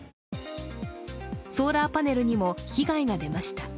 ソーラーパネルにも被害が出ました。